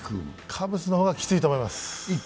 カブスの方がきついと思います。